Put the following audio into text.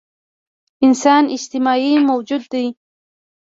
انسان اجتماعي موجود دی.